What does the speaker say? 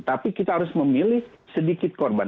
tapi kita harus memilih sedikit korban